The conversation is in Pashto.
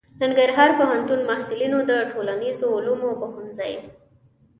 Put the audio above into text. ننګرهار پوهنتون محصلینو د ټولنیزو علومو پوهنځي